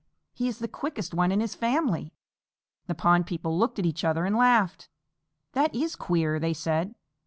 He is the quickest one in his family." The pond people looked at each other and laughed. "That is queer!" they said.